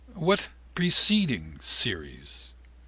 What preceding series?